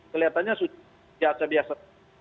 kelihatannya sudah biasa biasa